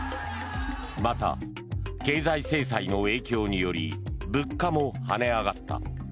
また、経済制裁の影響により物価も跳ね上がった。